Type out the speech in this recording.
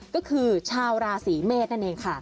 ก็คือชาวราศีเมษนั่นเองค่ะ